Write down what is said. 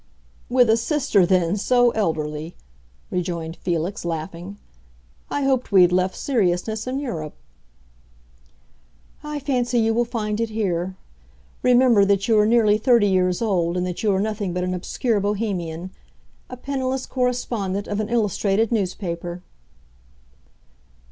"With a sister, then, so elderly!" rejoined Felix, laughing. "I hoped we had left seriousness in Europe." "I fancy you will find it here. Remember that you are nearly thirty years old, and that you are nothing but an obscure Bohemian—a penniless correspondent of an illustrated newspaper."